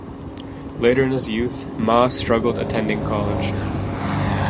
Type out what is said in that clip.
Later in his youth, Ma struggled attending college.